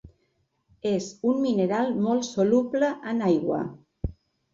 És un mineral molt soluble en aigua.